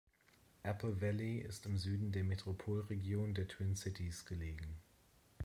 Apple Valley ist im Süden der Metropolregion der Twin Cities gelegen.